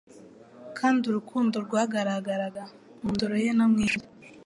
kandi urukundo rwagaragaraga mu ndoro ye no mu ijwi rye,